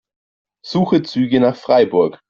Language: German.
Suche Züge nach Freiburg.